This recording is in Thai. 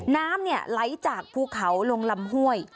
น้ำไหลจากภูเขาลงลำห้วย